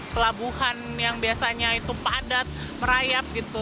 pelabuhan yang biasanya itu padat merayap gitu